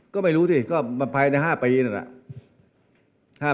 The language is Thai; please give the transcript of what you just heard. ก็ไม่รู้สิก็ภายใน๕ปีนั่นแหละ